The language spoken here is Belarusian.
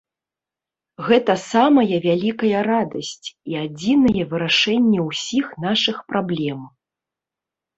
Гэта самая вялікая радасць і адзінае вырашэнне ўсіх нашых праблем.